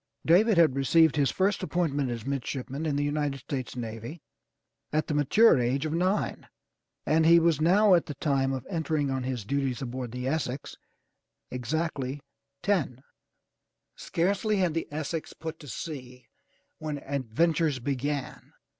David had received his first appointment as midshipman in the United States navy at the mature age of nine, and he was now at the time of entering on his duties aboard the Essex exactly ten. Scarcely had the Essex put to sea when adventures began.